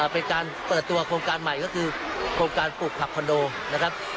เป็นการเปิดตัวโครงการใหม่ก็คือโครงการปลูกผักคอนโดนะครับ